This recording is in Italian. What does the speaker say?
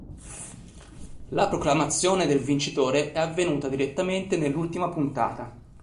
La proclamazione del vincitore è avvenuta direttamente nell'ultima puntata.